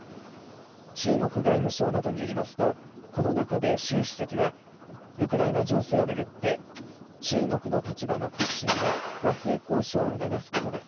中国外務省などによりますとこの中で習主席はウクライナ情勢を巡って中国の立場の核心は和平交渉を促すことだ。